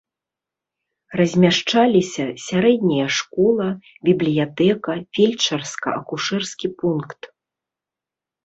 Размяшчаліся сярэдняя школа, бібліятэка, фельчарска-акушэрскі пункт.